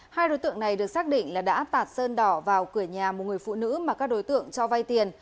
hai đối tượng này được xác định là đã tạt sơn đỏ vào cửa nhà một người phụ nữ mà các đối tượng cho vay tiền